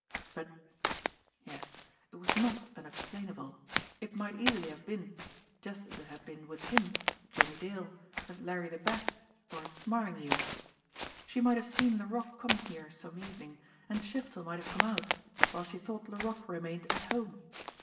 But yes, it was not un explainable. It might easily have been just as it had been with him, Jimmie Dale, as Larry the Bat, or as Smarlinghue. She might have seen Laroque come here some evening end Shiftel might have come out while she thought Larogue 42 JIMMIE DALE AND THE PHANTOM CLUE remained at home.